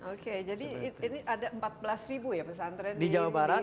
oke jadi ini ada empat belas pesantren di jawa barat